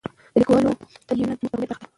د لیکوالو تلینونه زموږ د هویت برخه ده.